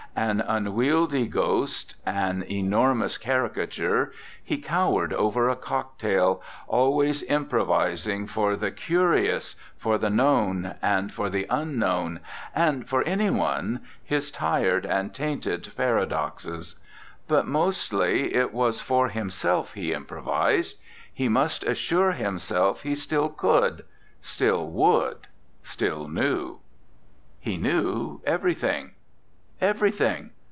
An un wieldy ghost, an enormous caricature, he cowered over a cocktail, always im provising for the curious, for the known, ERNEST LA JEUNESSE and for the unknown for anyone his tired and tainted paradoxes. But mostly it was for himself he improvised; he must assure himself he still could, still would, still knew. He knew everything. Everything.